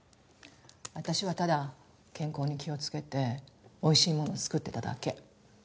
私はただ健康に気をつけて美味しいものを作ってただけ。